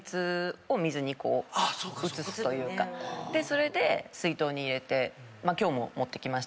それで水筒に入れて今日も持ってきましたけど。